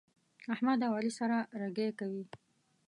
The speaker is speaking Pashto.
احمد او علي سره رګی کوي.